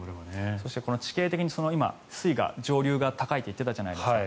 そして地形的に今水位が、上流が高いって言っていたじゃないですか。